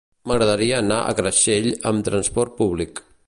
M'agradaria anar a Creixell amb trasport públic.